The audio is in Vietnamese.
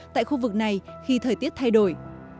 tại khu vực này khi thời tiết thay đổi